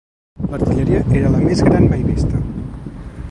L'artilleria era la més gran mai vista.